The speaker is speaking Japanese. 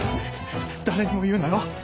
誰にも言うなよ。